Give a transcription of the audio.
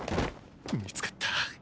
見つかった！